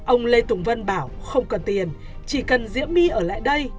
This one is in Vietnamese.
ông lê tùng vân bảo không cần tiền chỉ cần diễm my ở lại đây